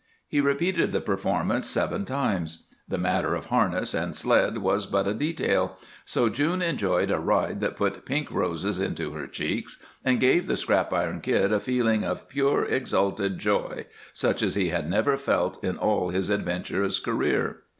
He repeated the performance seven times. The matter of harness and sled was but a detail; so June enjoyed a ride that put pink roses into her cheeks and gave the Scrap Iron Kid a feeling of pure, exalted joy such as he had never felt in all his adventurous career.